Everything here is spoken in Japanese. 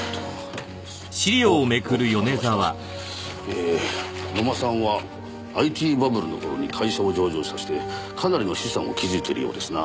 えー野間さんはＩＴバブルの頃に会社を上場させてかなりの資産を築いているようですな。